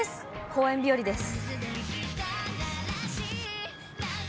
公園日和です。